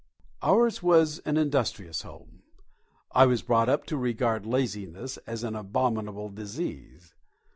Ours was an industrious home. I was brought up to regard laziness as an abominable disease.